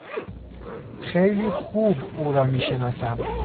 خیلی خوب او را میشناسم.